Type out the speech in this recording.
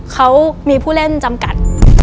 เขามีผู้เล่นจำกัด